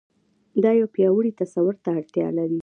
دا يو پياوړي تصور ته اړتيا لري.